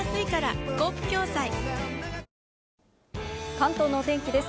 関東のお天気です。